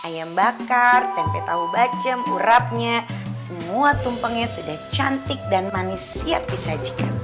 ayam bakar tempe tahu bacem urapnya semua tumpengnya sudah cantik dan manis siap disajikan